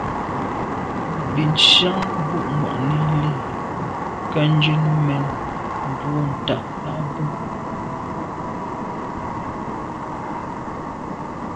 Bìn síáŋ bû’ŋwà’nǐ lî kά njə́n mə̂n mbwɔ̀ ntὰg lά bwə́.